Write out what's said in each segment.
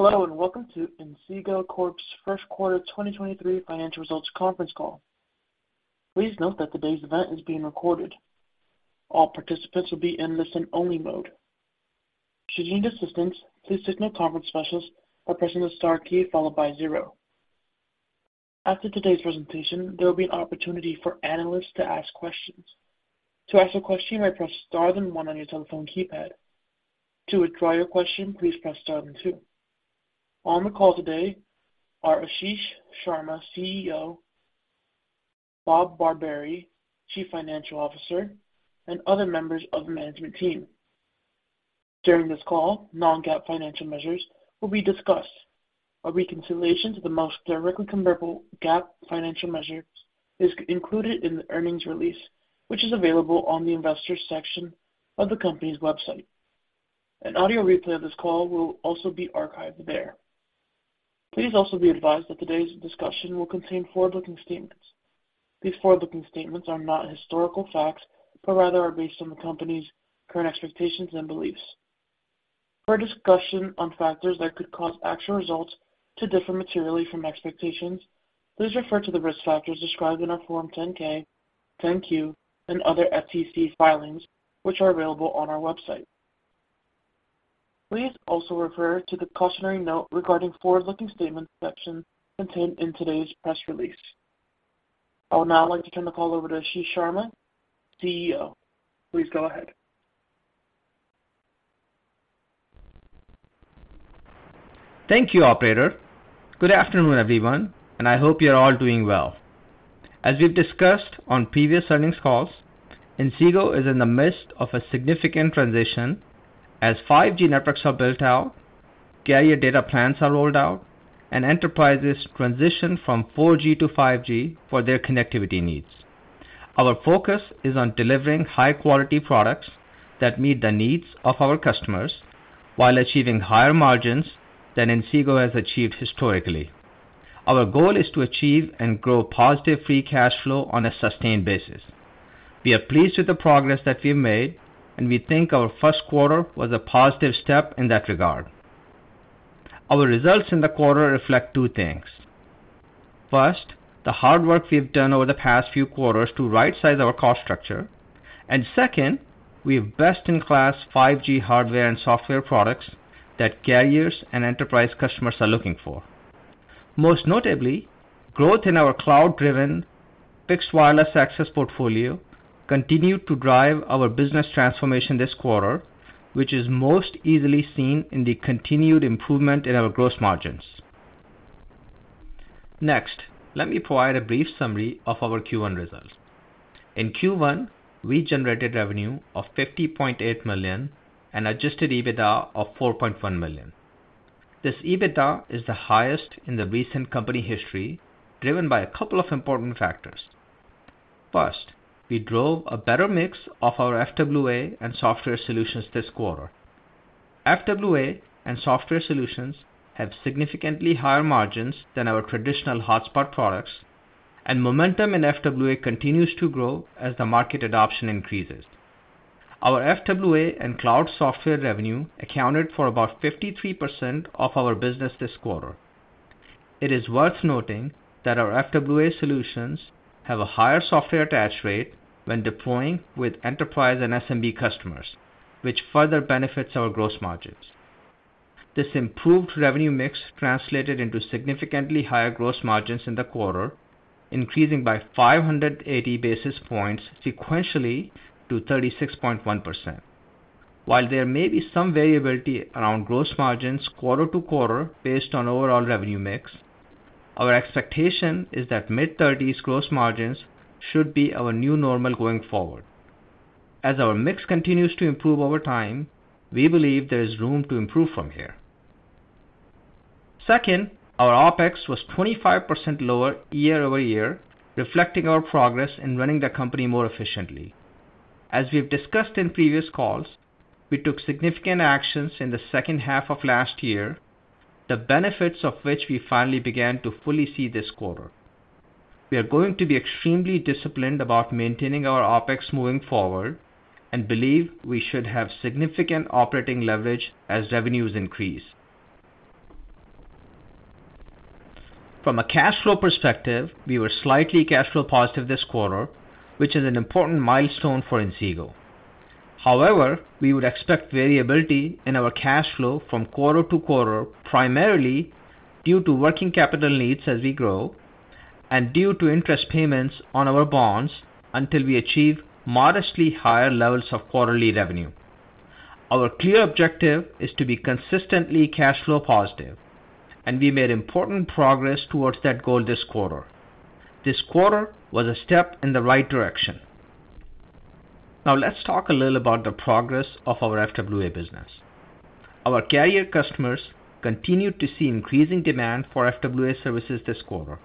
Hello, welcome to Inseego Corp's first quarter 2023 financial results conference call. Please note that today's event is being recorded. All participants will be in listen-only mode. If you need assistance, please signal conference specialist by pressing the star key followed by zero. After today's presentation, there will be an opportunity for analysts to ask questions. To ask a question, press star then one on your telephone keypad. To withdraw your question, please press star then two. On the call today are Ashish Sharma, CEO, Bob Barbieri, Chief Financial Officer, and other members of the management team. During this call, non-GAAP financial measures will be discussed. A reconciliation to the most directly comparable GAAP financial measures is included in the earnings release, which is available on the investors section of the company's website. An audio replay of this call will also be archived there. Please also be advised that today's discussion will contain forward-looking statements. These forward-looking statements are not historical facts, but rather are based on the company's current expectations and beliefs. For a discussion on factors that could cause actual results to differ materially from expectations, please refer to the risk factors described in our Form 10-K, 10-Q, and other SEC filings, which are available on our website. Please also refer to the cautionary note regarding forward-looking statements section contained in today's press release. I would now like to turn the call over to Ashish Sharma, CEO. Please go ahead. Thank you, operator. Good afternoon, everyone. I hope you're all doing well. As we've discussed on previous earnings calls, Inseego is in the midst of a significant transition as 5G networks are built out, carrier data plans are rolled out, and enterprises transition from 4G to 5G for their connectivity needs. Our focus is on delivering high-quality products that meet the needs of our customers while achieving higher margins than Inseego has achieved historically. Our goal is to achieve and grow positive free cash flow on a sustained basis. We are pleased with the progress that we've made. We think our first quarter was a positive step in that regard. Our results in the quarter reflect two things. First, the hard work we've done over the past few quarters to rightsize our cost structure. Second, we have best-in-class 5G hardware and software products that carriers and enterprise customers are looking for. Most notably, growth in our cloud-driven fixed wireless access portfolio continued to drive our business transformation this quarter, which is most easily seen in the continued improvement in our gross margins. Next, let me provide a brief summary of our Q1 results. In Q1, we generated revenue of $50.8 million and adjusted EBITDA of $4.1 million. This EBITDA is the highest in the recent company history, driven by a couple of important factors. First, we drove a better mix of our FWA and software solutions this quarter. FWA and software solutions have significantly higher margins than our traditional hotspot products, and momentum in FWA continues to grow as the market adoption increases. Our FWA and cloud software revenue accounted for about 53% of our business this quarter. It is worth noting that our FWA solutions have a higher software attach rate when deploying with enterprise and SMB customers, which further benefits our gross margins. This improved revenue mix translated into significantly higher gross margins in the quarter, increasing by 580 basis points sequentially to 36.1%. While there may be some variability around gross margins quarter to quarter based on overall revenue mix, our expectation is that mid-30s gross margins should be our new normal going forward. As our mix continues to improve over time, we believe there is room to improve from here. Second, our OpEx was 25% lower year-over-year, reflecting our progress in running the company more efficiently. As we've discussed in previous calls, we took significant actions in the second half of last year, the benefits of which we finally began to fully see this quarter. We are going to be extremely disciplined about maintaining our OpEx moving forward and believe we should have significant operating leverage as revenues increase. From a cash flow perspective, we were slightly cash flow positive this quarter, which is an important milestone for Inseego. However, we would expect variability in our cash flow from quarter to quarter, primarily due to working capital needs as we grow and due to interest payments on our bonds until we achieve modestly higher levels of quarterly revenue. Our clear objective is to be consistently cash flow positive, and we made important progress towards that goal this quarter. This quarter was a step in the right direction. Let's talk a little about the progress of our FWA business. Our carrier customers continued to see increasing demand for FWA services this quarter.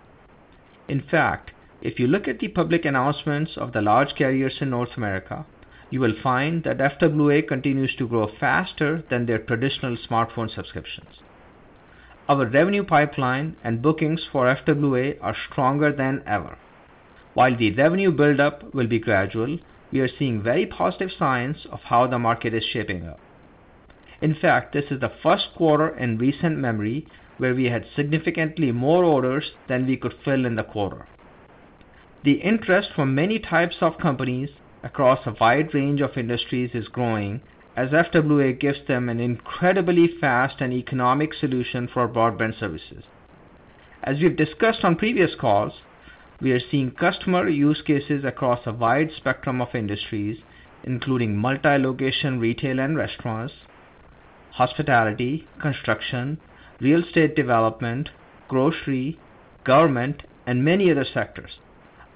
In fact, if you look at the public announcements of the large carriers in North America, you will find that FWA continues to grow faster than their traditional smartphone subscriptions. Our revenue pipeline and bookings for FWA are stronger than ever. While the revenue buildup will be gradual, we are seeing very positive signs of how the market is shaping up. In fact, this is the first quarter in recent memory where we had significantly more orders than we could fill in the quarter. The interest from many types of companies across a wide range of industries is growing as FWA gives them an incredibly fast and economic solution for broadband services. As we've discussed on previous calls, we are seeing customer use cases across a wide spectrum of industries, including multi-location retail and restaurants, hospitality, construction, real estate development, grocery, government, and many other sectors.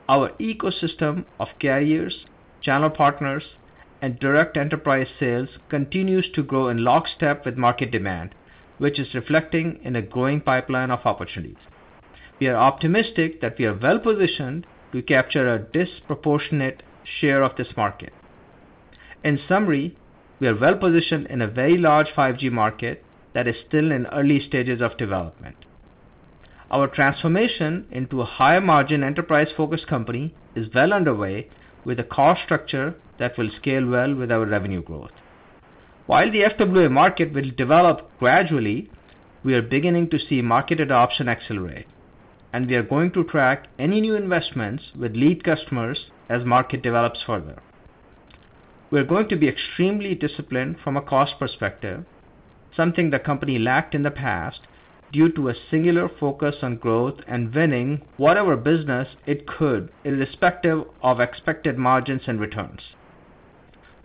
Our ecosystem of carriers, channel partners, and direct enterprise sales continues to grow in lockstep with market demand, which is reflecting in a growing pipeline of opportunities. We are optimistic that we are well-positioned to capture a disproportionate share of this market. In summary, we are well-positioned in a very large 5G market that is still in early stages of development. Our transformation into a higher margin enterprise-focused company is well underway with a cost structure that will scale well with our revenue growth. While the FWA market will develop gradually, we are beginning to see market adoption accelerate, and we are going to track any new investments with lead customers as market develops further. We are going to be extremely disciplined from a cost perspective, something the company lacked in the past, due to a singular focus on growth and winning whatever business it could, irrespective of expected margins and returns.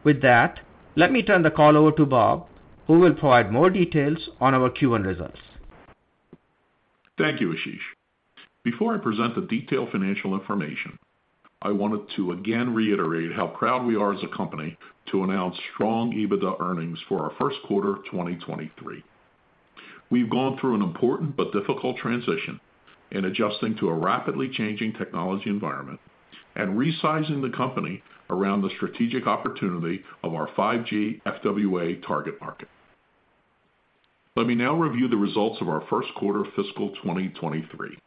With that, let me turn the call over to Bob, who will provide more details on our Q1 results. Thank you, Ashish. Before I present the detailed financial information, I wanted to again reiterate how proud we are as a company to announce strong EBITDA earnings for our first quarter 2023. We've gone through an important but difficult transition in adjusting to a rapidly changing technology environment and resizing the company around the strategic opportunity of our 5G FWA target market. Let me now review the results of our first quarter fiscal 2023.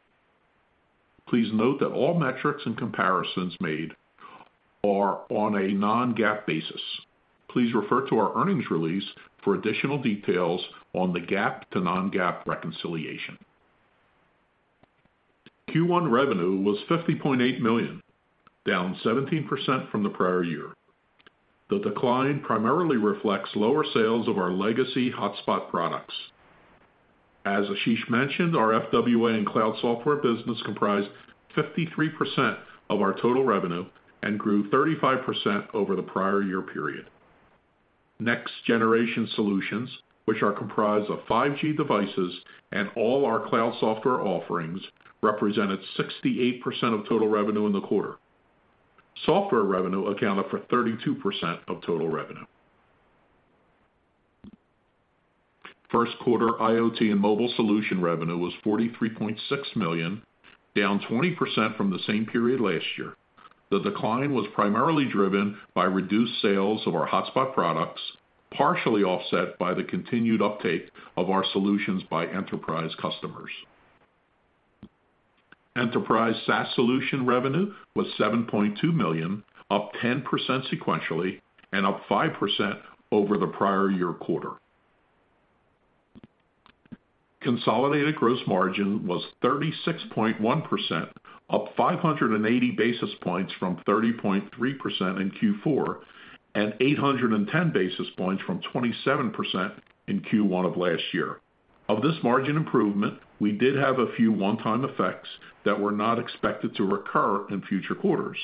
Please note that all metrics and comparisons made are on a non-GAAP basis. Please refer to our earnings release for additional details on the GAAP to non-GAAP reconciliation. Q1 revenue was $50.8 million, down 17% from the prior year. The decline primarily reflects lower sales of our legacy hotspot products. As Ashish mentioned, our FWA and cloud software business comprised 53% of our total revenue and grew 35% over the prior year period. Next generation solutions, which are comprised of 5G devices and all our cloud software offerings, represented 68% of total revenue in the quarter. Software revenue accounted for 32% of total revenue. First quarter IoT and mobile solution revenue was $43.6 million, down 20% from the same period last year. The decline was primarily driven by reduced sales of our hotspot products, partially offset by the continued uptake of our solutions by enterprise customers. Enterprise SaaS solution revenue was $7.2 million, up 10% sequentially and up 5% over the prior year quarter. Consolidated gross margin was 36.1%, up 580 basis points from 30.3% in Q4, and 810 basis points from 27% in Q1 of last year. Of this margin improvement, we did have a few one-time effects that were not expected to recur in future quarters.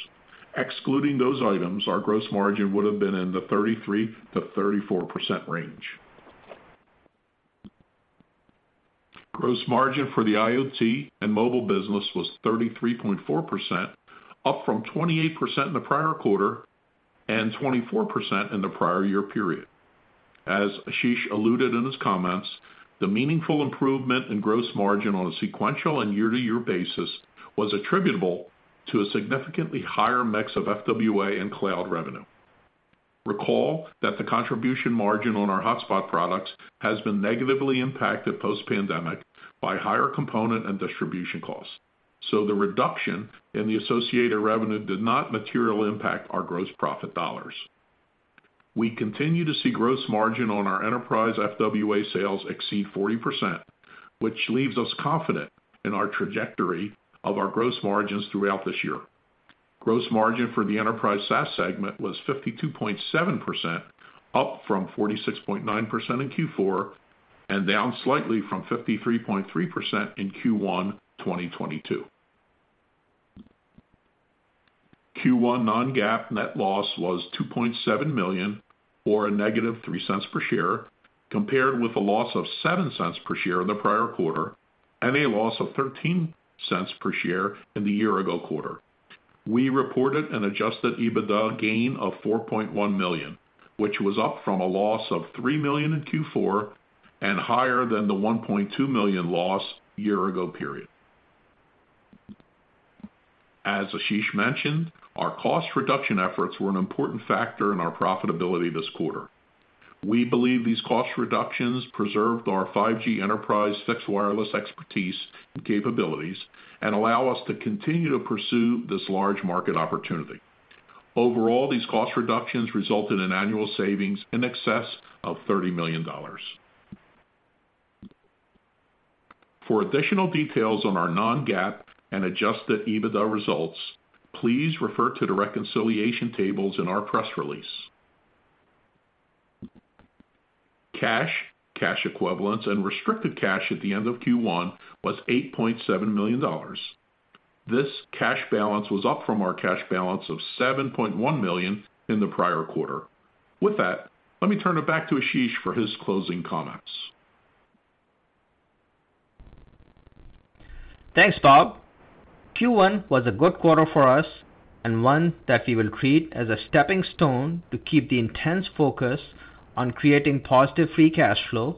Excluding those items, our gross margin would have been in the 33%-34% range. Gross margin for the IoT and mobile business was 33.4%, up from 28% in the prior quarter and 24% in the prior year period. As Ashish alluded in his comments, the meaningful improvement in gross margin on a sequential and year-to-year basis was attributable to a significantly higher mix of FWA and cloud revenue. Recall that the contribution margin on our hotspot products has been negatively impacted post-pandemic by higher component and distribution costs. The reduction in the associated revenue did not materially impact our gross profit dollars. We continue to see gross margin on our enterprise FWA sales exceed 40%, which leaves us confident in our trajectory of our gross margins throughout this year. Gross margin for the enterprise SaaS segment was 52.7%, up from 46.9% in Q4 and down slightly from 53.3% in Q1 2022. Q1 non-GAAP net loss was $2.7 million, or a -$0.03 per share, compared with a loss of $0.07 per share in the prior quarter and a loss of $0.13 per share in the year ago quarter. We reported an adjusted EBITDA gain of $4.1 million, which was up from a loss of $3 million in Q4 and higher than the $1.2 million loss year-ago period. As Ashish mentioned, our cost reduction efforts were an important factor in our profitability this quarter. We believe these cost reductions preserved our 5G enterprise fixed wireless expertise and capabilities and allow us to continue to pursue this large market opportunity. These cost reductions resulted in annual savings in excess of $30 million. For additional details on our non-GAAP and adjusted EBITDA results, please refer to the reconciliation tables in our press release. Cash, cash equivalents, and restricted cash at the end of Q1 was $8.7 million. This cash balance was up from our cash balance of $7.1 million in the prior quarter. With that, let me turn it back to Ashish for his closing comments. Thanks, Bob. Q1 was a good quarter for us and one that we will treat as a stepping stone to keep the intense focus on creating positive free cash flow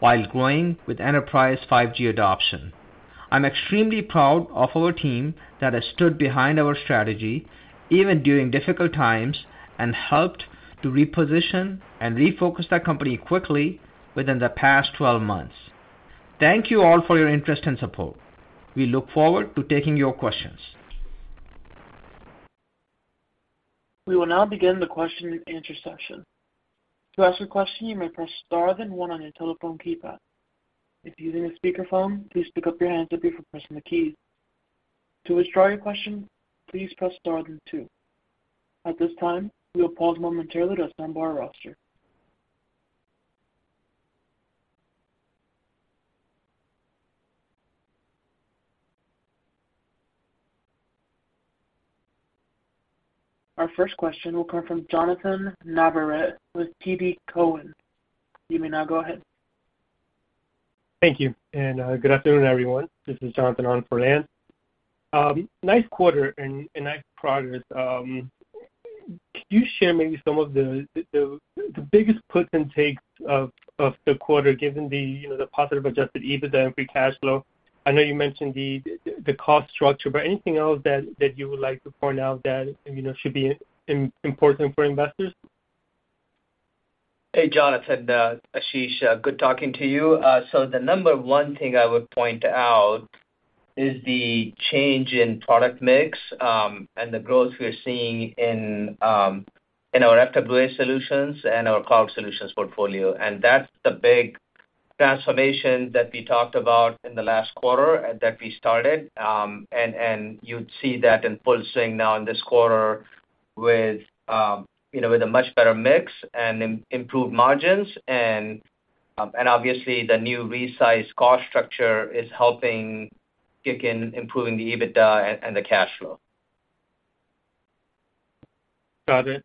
while growing with enterprise 5G adoption. I'm extremely proud of our team that has stood behind our strategy even during difficult times and helped to reposition and refocus the company quickly within the past 12 months. Thank you all for your interest and support. We look forward to taking your questions. We will now begin the question and answer session. To ask a question, you may press star then one on your telephone keypad. If using a speakerphone, please pick up your hands up before pressing the key. To withdraw your question, please press star then two. At this time, we will pause momentarily to compile the roster. Our first question will come from Jonnathan Navarrete with TD Cowen. You may now go ahead. Thank you. Good afternoon, everyone. This is Jonnathan on for Dan. Nice quarter and nice progress. Could you share maybe some of the biggest puts and takes of the quarter given the, you know, the positive adjusted EBITDA and free cash flow? I know you mentioned the cost structure, but anything else you would like to point out that, you know, should be important for investors? Hey, Jonnathan, Ashish, good talking to you. So the number one thing I would point out is the change in product mix, and the growth we're seeing in our FWA solutions and our cloud solutions portfolio. That's the big transformation that we talked about in the last quarter and that we started. You'd see that in pulsing now in this quarter with, you know, with a much better mix and improved margins and obviously the new resized cost structure is helping kick in improving the EBITDA and the cash flow. Got it.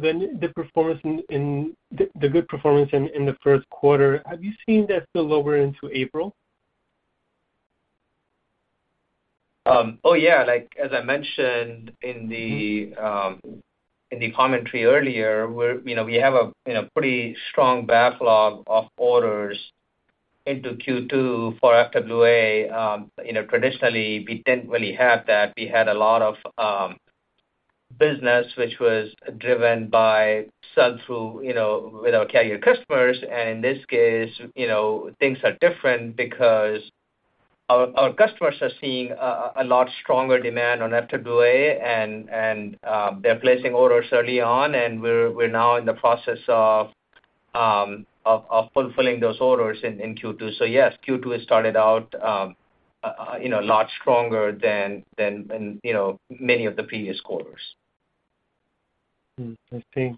The good performance in the first quarter, have you seen that spill over into April? Oh, yeah. Like, as I mentioned in the commentary earlier, we're, you know, we have a, you know, pretty strong backlog of orders into Q2 for FWA. You know, traditionally, we didn't really have that. We had a lot of business which was driven by sell-through, you know, with our carrier customers. In this case, you know, things are different because our customers are seeing a lot stronger demand on FWA and they're placing orders early on, and we're now in the process of fulfilling those orders in Q2. Yes, Q2 has started out, you know, a lot stronger than, you know, many of the previous quarters. I see.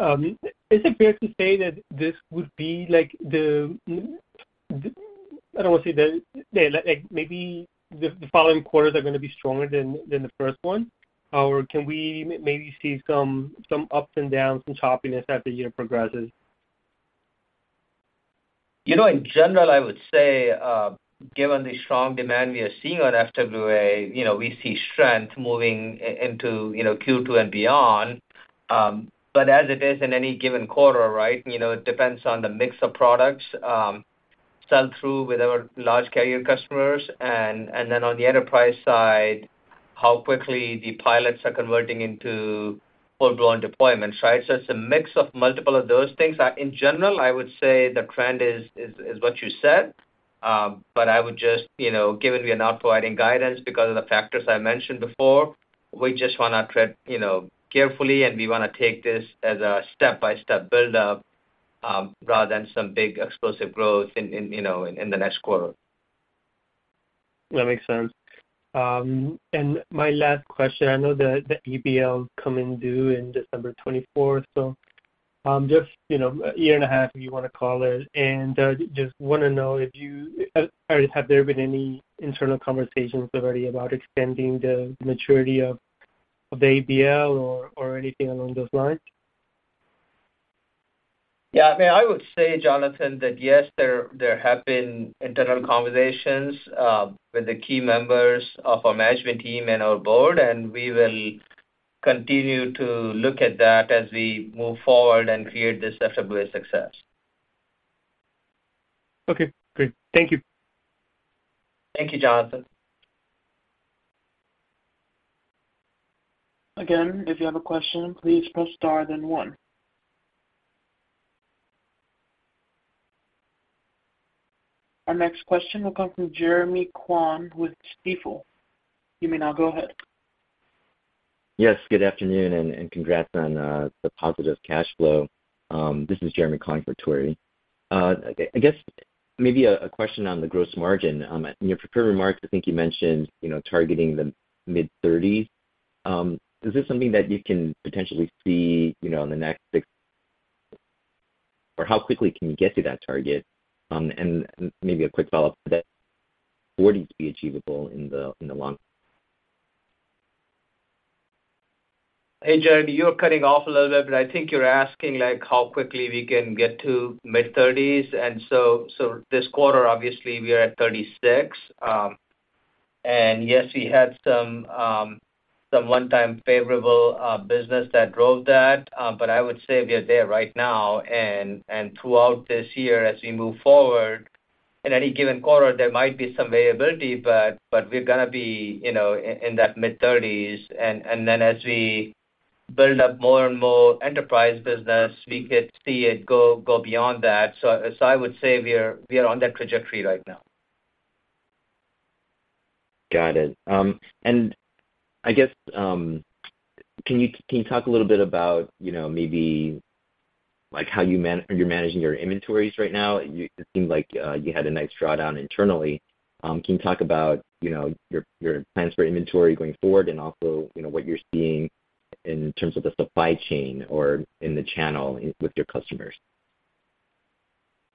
Is it fair to say that this would be like the, I don't wanna say the, like, maybe the following quarters are gonna be stronger than the first one? Or can we maybe see some ups and downs and choppiness as the year progresses? You know, in general, I would say, given the strong demand we are seeing on FWA, you know, we see strength moving into, you know, Q2 and beyond. As it is in any given quarter, right? You know, it depends on the mix of products, sell-through with our large carrier customers and then on the enterprise side, how quickly the pilots are converting into full-blown deployments, right? It's a mix of multiple of those things. In general, I would say the trend is what you said. I would just, you know, given we are not providing guidance because of the factors I mentioned before, we just wanna tread, you know, carefully, and we wanna take this as a step-by-step build up, rather than some big explosive growth in, you know, in the next quarter. That makes sense. My last question, I know the ABL coming due in December 24th, so, just, you know, a year and a half, if you wanna call it. Just wanna know if have there been any internal conversations already about extending the maturity of the ABL or anything along those lines? Yeah. I mean, I would say, Jonnathan, that yes, there have been internal conversations with the key members of our management team and our board. We will continue to look at that as we move forward and create this FWA success. Okay, great. Thank you. Thank you, Jonnathan. Again, if you have a question, please press star then one. Our next question will come from Jeremy Kwan with Stifel. You may now go ahead. Yes, good afternoon and congrats on the positive cash flow. This is Jeremy Kwan for Tore. I guess maybe a question on the gross margin. In your prepared remarks, I think you mentioned, you know, targeting the mid-thirties. Is this something that you can potentially see, you know, in the next six or how quickly can you get to that target? Maybe a quick follow-up to that, would it be achievable in the long? Hey, Jeremy, you're cutting off a little bit, but I think you're asking, like, how quickly we can get to mid-thirties. This quarter, obviously we are at 36. Yes, we had some one-time favorable business that drove that, but I would say we are there right now. Throughout this year as we move forward, in any given quarter, there might be some variability, but we're gonna be, you know, in that mid-thirties. Then as we build up more and more enterprise business, we could see it go beyond that. I would say we are on that trajectory right now. Got it. I guess, can you talk a little bit about, you know, maybe like how you're managing your inventories right now. It seemed like you had a nice drawdown internally. Can you talk about, you know, your plans for inventory going forward and also, you know, what you're seeing in terms of the supply chain or in the channel with your customers?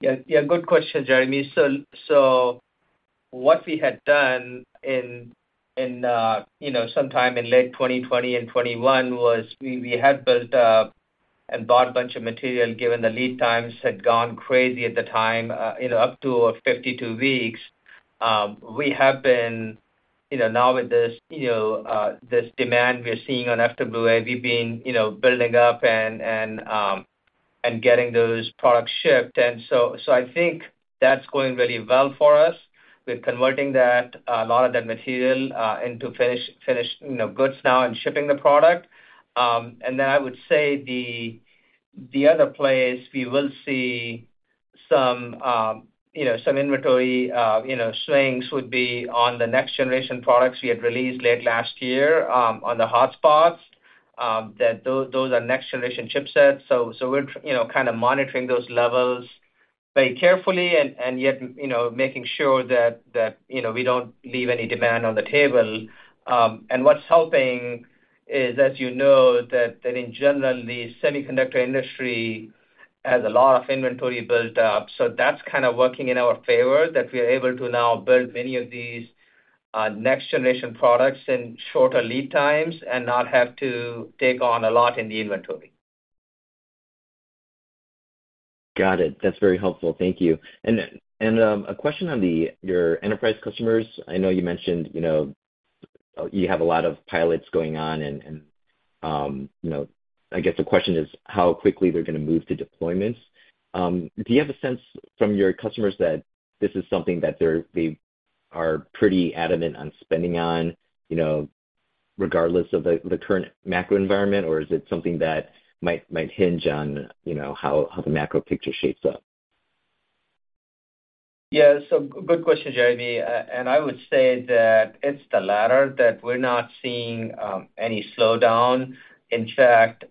Yeah. Yeah, good question, Jeremy. What we had done in, you know, sometime in late 2020 and 2021 was we had built up and bought a bunch of material, given the lead times had gone crazy at the time, you know, up to 52 weeks. We have been, you know, now with this, you know, this demand we are seeing on FWA, we've been, you know, building up and getting those products shipped. I think that's going very well for us. We're converting that, a lot of that material, into finished, you know, goods now and shipping the product. Then I would say the other place we will see some, you know, some inventory, you know, swings would be on the next generation products we had released late last year, on the hotspots, that those are next generation chipsets. We're, you know, kinda monitoring those levels very carefully and yet, you know, making sure that, you know, we don't leave any demand on the table. What's helping is, as you know, that in general, the semiconductor industry has a lot of inventory built up, that's kind of working in our favor, that we are able to now build many of these, next generation products in shorter lead times and not have to take on a lot in the inventory. Got it. That's very helpful. Thank you. A question on your enterprise customers. I know you mentioned, you know, you have a lot of pilots going on and, you know, I guess the question is how quickly they're gonna move to deployments. Do you have a sense from your customers that this is something that they are pretty adamant on spending on, you know, regardless of the current macro environment? Or is it something that might hinge on, you know, how the macro picture shapes up? Good question, Jeremy. I would say that it's the latter, that we're not seeing any slowdown. In fact,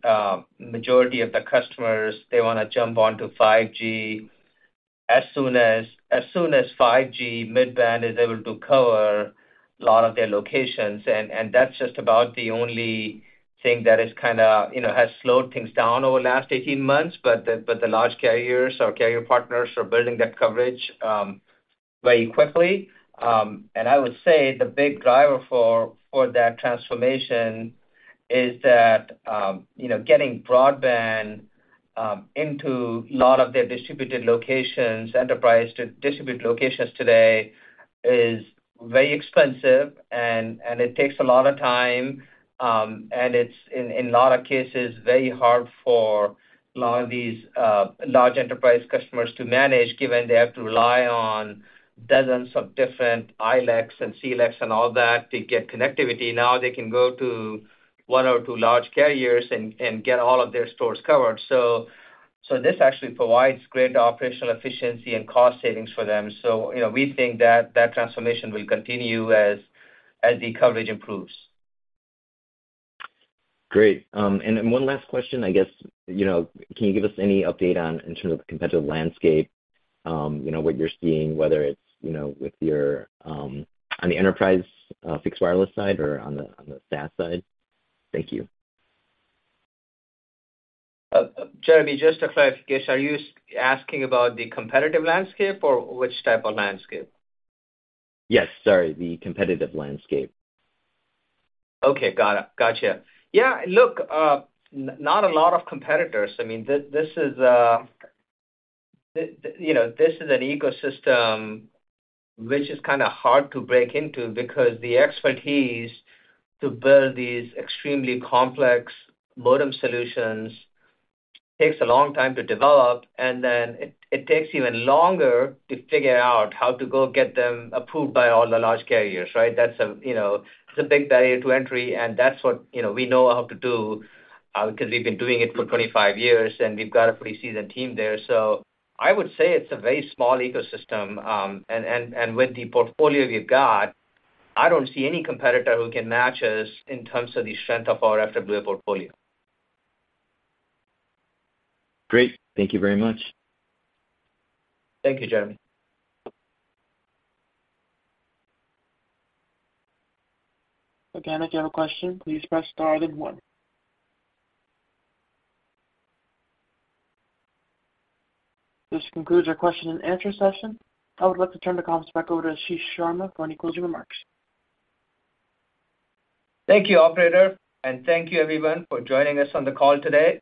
majority of the customers, they wanna jump onto 5G as soon as 5G mid-band is able to cover a lot of their locations. That's just about the only thing that is kinda, you know, has slowed things down over the last 18 months. The large carriers or carrier partners are building that coverage very quickly. I would say the big driver for that transformation is that, you know, getting broadband into a lot of their distributed locations, enterprise distributed locations today is very expensive and it takes a lot of time, and it's in a lot of cases very hard for a lot of these large enterprise customers to manage, given they have to rely on dozens of different ILEC and CLECs and all that to get connectivity. Now they can go to one or two large carriers and get all of their stores covered. This actually provides great operational efficiency and cost savings for them. You know, we think that that transformation will continue as the coverage improves. Great. One last question, I guess, you know, can you give us any update on in terms of competitive landscape, you know, what you're seeing, whether it's, you know, with your on the enterprise fixed wireless side or on the SaaS side? Thank you. Jeremy, just a clarification. Are you asking about the competitive landscape or which type of landscape? Yes, sorry. The competitive landscape. Okay. Got it. Gotcha. Yeah. Look, not a lot of competitors. I mean, this is, you know, this is an ecosystem which is kinda hard to break into because the expertise to build these extremely complex modem solutions takes a long time to develop, and then it takes even longer to figure out how to go get them approved by all the large carriers, right? That's a, you know, it's a big barrier to entry, and that's what, you know, we know how to do, 'cause we've been doing it for 25 years, and we've got a pretty seasoned team there. I would say it's a very small ecosystem. And with the portfolio we've got, I don't see any competitor who can match us in terms of the strength of our FWA portfolio. Great. Thank you very much. Thank you, Jeremy. If you have a question, please press star then one. This concludes our question and answer session. I would like to turn the conference back over to Ashish Sharma for any closing remarks. Thank you, operator, and thank you everyone for joining us on the call today.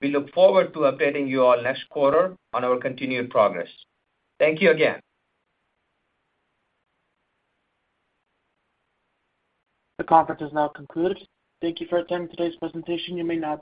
We look forward to updating you all next quarter on our continued progress. Thank you again. The conference has now concluded. Thank you for attending today's presentation. You may now disconnect.